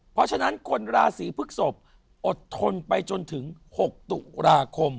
เพราะฉะนั้นคนราศีพฤกษพอดทนไปจนถึง๖ตุลาคม